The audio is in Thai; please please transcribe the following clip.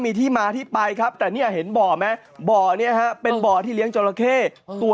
งับขาเขาให้แล้วเต็มเลยครับ